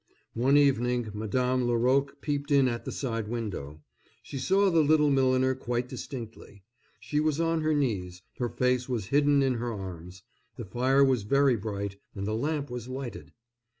One evening Madame Laroque peeped in at the side window. She saw the little milliner quite distinctly. She was on her knees, her face was hidden in her arms. The fire was very bright, and the lamp was lighted.